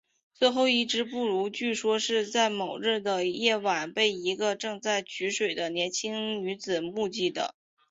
最后一只布鲁据说是在某日的夜晚被一个正在取水的年轻女子目击的。